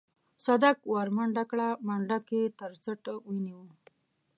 صدک ورمنډه کړه منډک يې تر څټ ونيوه.